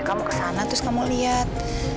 kamu kesana terus kamu liat